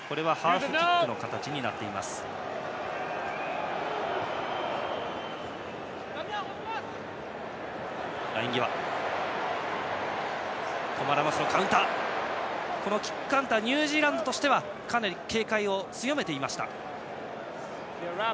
フランスのキックカウンターニュージーランドとしてはかなり警戒を強めていました。